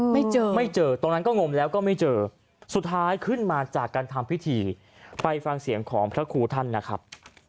ไม่เจอไม่เจอตรงนั้นก็งมแล้วก็ไม่เจอสุดท้ายขึ้นมาจากการทำพิธีไปฟังเสียงของพระครูท่านนะครับ